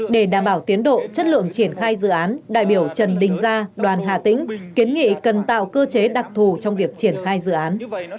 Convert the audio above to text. để đảm bảo tiến độ chất lượng triển khai dự án đại biểu trần đình gia đoàn hà tĩnh kiến nghị cần tạo cơ chế đặc thù trong việc triển khai dự án